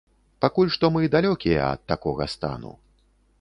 Пакуль што мы далёкія ад такога стану.